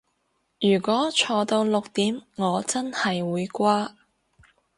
如果坐到六點我真係會瓜